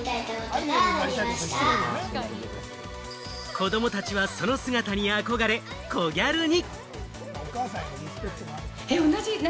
子供たちはその姿に憧れ、コギャルに！